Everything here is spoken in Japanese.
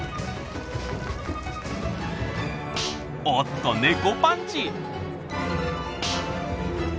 おっと猫パンチ！